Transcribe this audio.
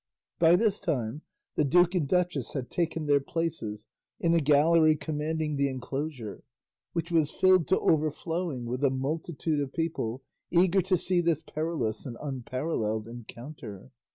By this time the duke and duchess had taken their places in a gallery commanding the enclosure, which was filled to overflowing with a multitude of people eager to see this perilous and unparalleled encounter.